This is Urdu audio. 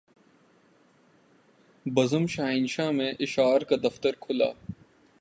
بزم شاہنشاہ میں اشعار کا دفتر کھلا